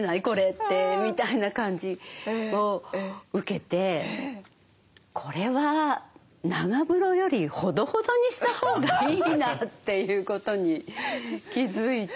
これって」みたいな感じを受けてこれは長風呂よりほどほどにしたほうがいいなっていうことに気付いて。